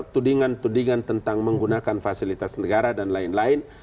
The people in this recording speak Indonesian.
tudingan tudingan tentang menggunakan fasilitas negara dan lain lain